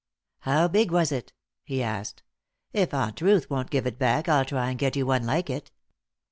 "How big was it?" he asked. "If Aunt Ruth won't give it back I'll try and get you one like it."